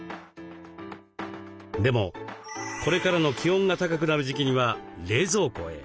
でもこれからの気温が高くなる時期には冷蔵庫へ。